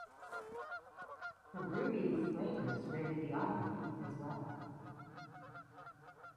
Peruvian slavers raided the island as well.